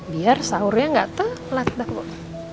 biar sahurnya gak telat dah kok